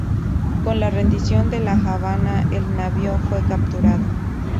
Con la rendición de La Habana, el navío fue capturado.